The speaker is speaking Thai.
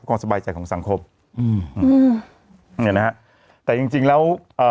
การสบายใจของสังคมไงนะฮะแต่จริงจริงแล้วอ่า